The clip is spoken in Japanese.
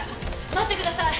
待ってください。